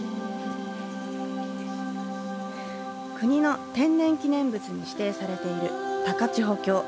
国の天然記念物に指定されている高千穂峡。